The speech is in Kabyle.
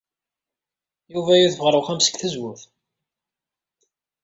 Yuba yudef ɣer uxxam seg tzewwut.